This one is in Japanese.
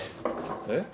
えっ？